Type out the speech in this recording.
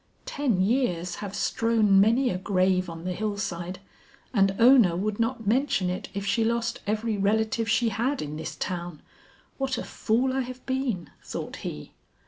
"Ten years have strown many a grave on the hillside and Ona would not mention it if she lost every relative she had in this town. What a fool I have been," thought he.